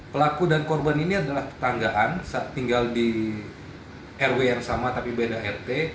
pelaku dan korban ini adalah tetanggaan tinggal di rw yang sama tapi beda rt